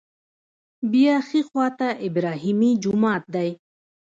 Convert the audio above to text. بیا ښي خوا ته ابراهیمي جومات دی.